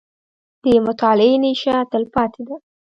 • د مطالعې نیشه، تلپاتې ده.